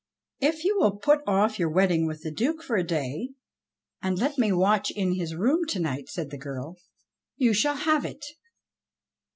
"If you will put off your wedding with the Duke for a day, and let me watch in his room to night," said the girl, "you shall have it."